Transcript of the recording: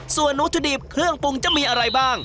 ส่วนวัตถุดิบเครื่องปรุงจะมีอะไรบ้าง